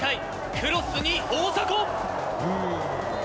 クロスに大迫！